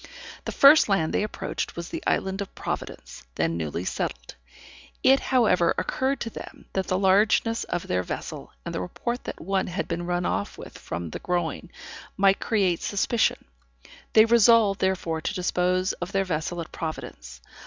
The first land they approached was the Island of Providence, then newly settled. It however occurred to them, that the largeness of their vessel, and the report that one had been run off with from the Groine, might create suspicion; they resolved therefore to dispose of their vessel at Providence.